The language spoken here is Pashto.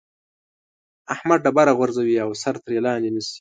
احمد ډبره غورځوي او سر ترې لاندې نيسي.